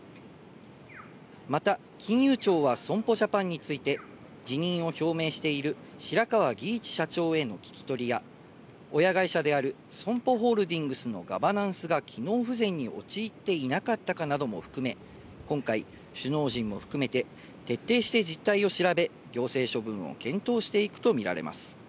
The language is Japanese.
また、金融庁は損保ジャパンについて、辞任を表明している白川儀一社長への聞き取りや、親会社であるソンポホールディングスのガバナンスが機能不全に陥っていなかったかなども含め、今回、首脳陣も含めて徹底して実態を調べ、行政処分を検討していくと見られます。